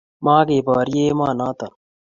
Makeborye emonoton